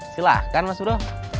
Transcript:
silahkan mas bro